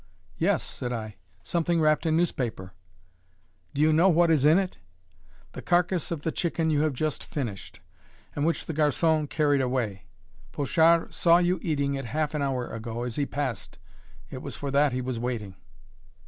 "Yes," said I, "something wrapped in newspaper." "Do you know what is in it? the carcass of the chicken you have just finished, and which the garçon carried away. Pochard saw you eating it half an hour ago as he passed. It was for that he was waiting."